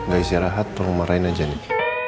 gak isi rahat tolong marahin aja nih